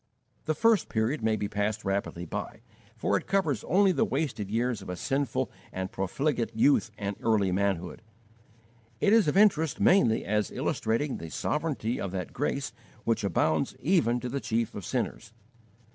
The first period may be passed rapidly by, for it covers only the wasted years of a sinful and profligate youth and early manhood. It is of interest mainly as illustrating the sovereignty of that Grace which abounds even to the chief of sinners.